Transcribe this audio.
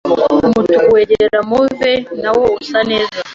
Umutuku wegera move nawo usa neza